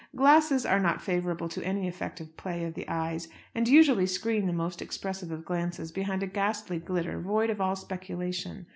Glasses are not favourable to any effective play of the eyes, and usually screen the most expressive of glances behind a ghastly glitter, void of all speculation.